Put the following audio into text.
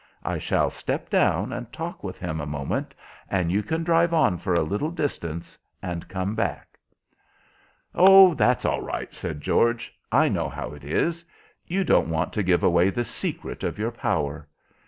I shall step down and talk with him a moment and you can drive on for a little distance, and come back." "Oh, that's all right," said George, "I know how it is. You don't want to give away the secret of your power.